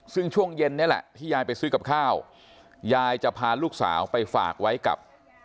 ซึ่งช่วงเย็นนี่แหละที่ยายไปซื้อกับข้าวยายจะพาลูกสาวไปฝากไว้กับ